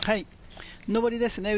上りですね。